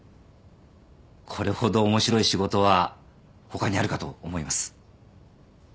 これほど面白い仕事は他にあるかと思います。